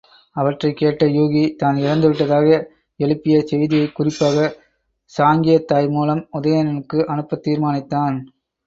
அவற்றைக் கேட்ட யூகி, தான் இறந்துவிட்டதாக எழுப்பிய செய்தியைக் குறிப்பாகச் சாங்கியத் தாய் மூலம் உதயணனுக்கு அனுப்பத் தீர்மானித்தான்.